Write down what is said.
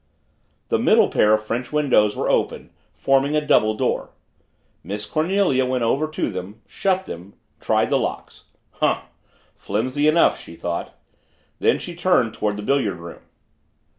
The middle pair of French windows were open, forming a double door. Miss Cornelia went over to them shut them tried the locks. Humph! Flimsy enough! she thought. Then she turned toward the billiard room.